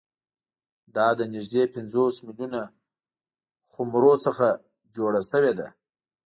دا له نږدې پنځوس میلیونه خُمرو څخه جوړه شوې ده